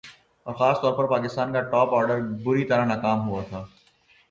اور خاص طور پر پاکستان کا ٹاپ آرڈر بری طرح ناکام ہوا تھا